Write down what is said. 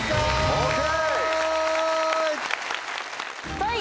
ＯＫ！